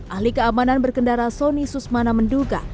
ahli keamanan berkendara sonny susmana menduga